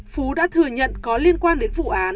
phú đã thừa nhận có liên quan đến vụ sửa xe máy